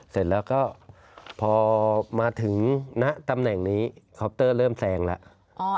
เสร็จแล้วก็พอมาถึงณตำแหน่งนี้คอปเตอร์เริ่มแซงแล้ว